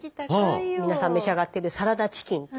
皆さん召し上がってるサラダチキン。